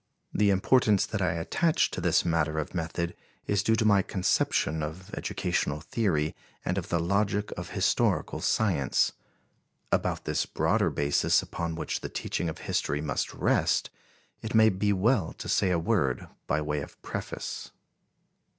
The importance that I attach to this matter of method is due to my conception of educational theory and of the logic of historical science. About this broader basis upon which the teaching of history must rest, it may be well to say a word by way of preface.